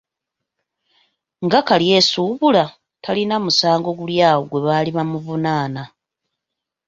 Nga Kalyesuubula talina musango guli awo gwe baali bamuvunaana.